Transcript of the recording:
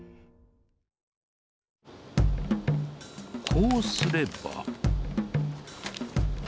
こうすれば。